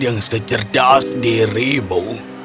yang secerdas dirimu